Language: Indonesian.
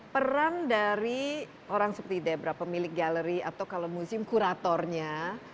peran dari orang seperti debra pemilik galeri atau kalau museum kuratornya